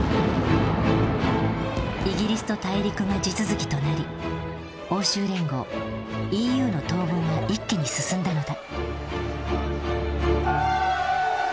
イギリスと大陸が地続きとなり欧州連合ＥＵの統合が一気に進んだのだ。